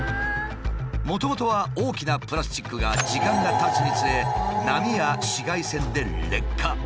もともとは大きなプラスチックが時間がたつにつれ波や紫外線で劣化。